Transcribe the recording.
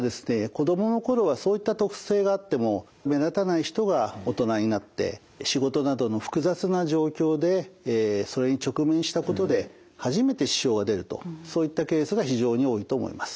子どものころはそういった特性があっても目立たない人が大人になって仕事などの複雑な状況でそれに直面したことで初めて支障が出るとそういったケースが非常に多いと思います。